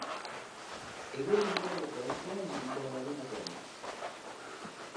Hego-mendebaldeko haizea ibiliko da larunbatean.